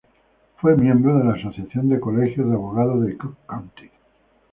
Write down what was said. Fue miembro de la Asociación del Colegio de Abogados de Cook County.